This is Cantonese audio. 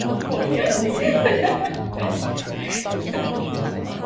點解澳洲牛奶公司唔喺澳洲？